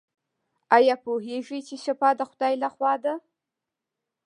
ایا پوهیږئ چې شفا د خدای لخوا ده؟